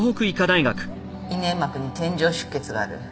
胃粘膜に点状出血がある。